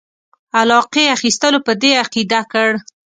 علاقې اخیستلو په دې عقیده کړ.